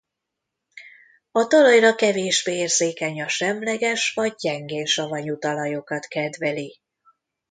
A talajra kevésbé érzékeny a semleges vagy gyengén savanyú talajokat kedveli.